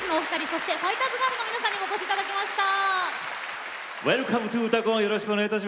そしてファイターズガールの皆さんにお越しいただきました。